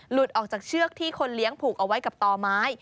ออกจากเชือกที่คนเลี้ยงผูกเอาไว้กับต่อไม้